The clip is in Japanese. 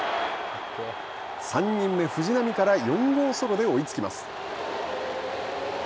３人目藤浪から４号ソロで追いつきます。